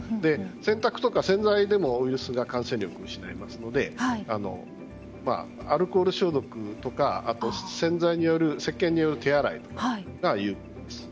洗濯とか洗剤でもウイルスが感染力を失いますのでアルコール消毒とか、あとせっけんによる手洗いが有効です。